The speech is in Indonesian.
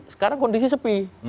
sekarang kondisi sepi